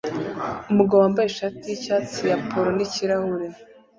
Umugabo wambaye ishati yicyatsi ya polo nikirahure